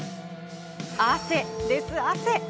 汗です、汗。